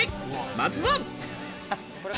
まずは。